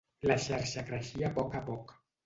La xarxa creixia a poc a poc.